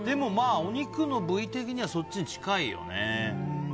お肉の部位的にはそっちに近いよね。